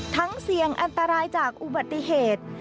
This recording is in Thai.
เสี่ยงอันตรายจากอุบัติเหตุ